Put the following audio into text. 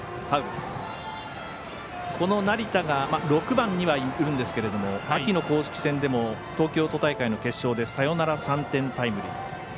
この成田が６番にはいるんですが秋の公式戦でも東京都大会の決勝でサヨナラ３点タイムリー。